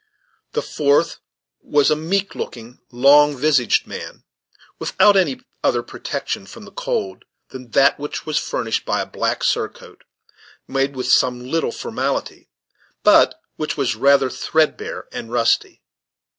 The fourth was a meek looking, long visaged man, without any other protection from the cold than that which was furnished by a black surcoat, made with some little formality, but which was rather threadbare and rusty.